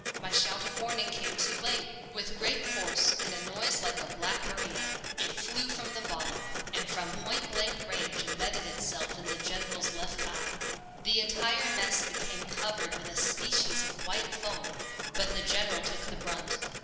My shout of warning came too late. With great force and a noise like a black Maria, it flew from the bottle, and from point blank range imbedded itself in the General's left eye. The entire mess became covered with a species of white foam, but the General took the brunt.